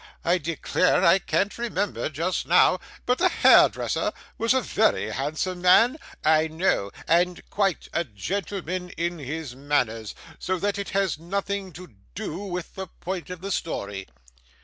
I declare I can't remember just now, but the hairdresser was a very handsome man, I know, and quite a gentleman in his manners; so that it has nothing to do with the point of the story.